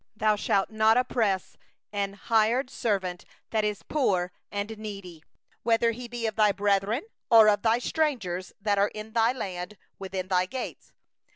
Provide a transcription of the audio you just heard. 14Thou shalt not oppress a hired servant that is poor and needy, whether he be of thy brethren, or of thy strangers that are in thy land within thy gates.